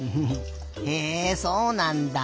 へえそうなんだ。